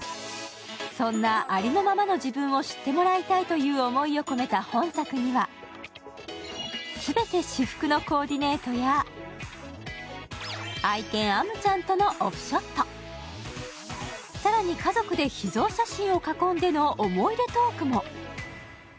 そんなありのままの自分を知ってもらいたいという思いを込めた本作には全て私服のコーディネートや愛犬・アムちゃんとのオフショット更に家族で秘蔵写真を囲んでの思い出トークも。